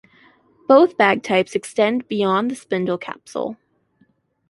Both bag types extend beyond the spindle capsule.